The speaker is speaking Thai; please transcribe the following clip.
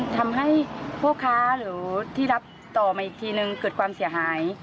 ทำให้พ่อค้าหรือที่รับต่อมาอีกทีนึงเกิดความเสียหาย